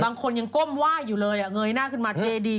บางคนยังก้มไหว้อยู่เลยเงยหน้าขึ้นมาเจดี